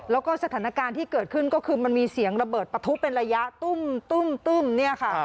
แล้วก็สถานการณ์ที่เกิดขึ้นก็คือมันมีเสียงระเบิดปะทุเป็นระยะตุ้มเนี่ยค่ะ